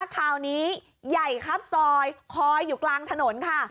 คราวนี้ใหญ่ครับซอยคอยอยู่กลางถนนค่ะ